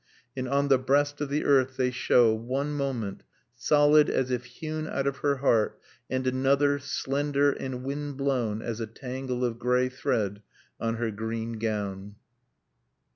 And on the breast of the earth they show, one moment, solid as if hewn out of her heart, and another, slender and wind blown as a tangle of gray thread on her green gown.